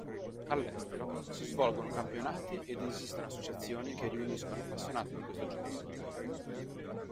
All'estero, si svolgono campionati ed esistono associazioni che riuniscono appassionati di questo gioco.